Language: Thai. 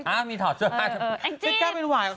ห้ามีทอดเชื้อผ้า